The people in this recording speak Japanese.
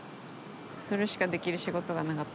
それしかできる仕事がなかった。